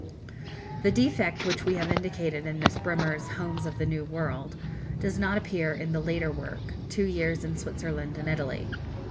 The defect which we have indicated in Miss Bremer's "Homes of the New World" does not appear in the later work, "Two Years in Switzerland and Italy."